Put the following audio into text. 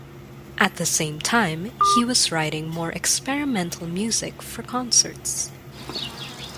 At the same time, he was writing more experimental music for concerts.